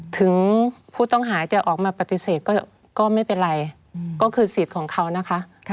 ถึงผู้ต้องหาจะออกมาปฏิเสธก็ไม่เป็นไรก็คือสิทธิ์ของเขานะคะ